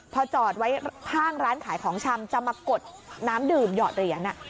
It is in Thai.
พอจอดไว้ข้างร้านขายของชำจะมากดน้ำดื่มหยอดเหรียญ